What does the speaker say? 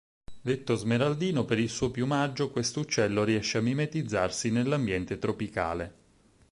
Detto smeraldino per il suo piumaggio, questo uccello riesce a mimetizzarsi nell'ambiente tropicale.